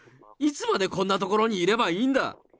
いつまでこんな所にいればいいんだ！